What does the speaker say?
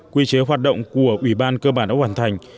quy chế hoạt động của ủy ban cơ bản đã hoàn thành